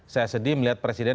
saya sedih melihat presiden